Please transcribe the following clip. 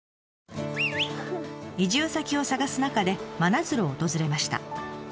移住先を探す中で真鶴を訪れました。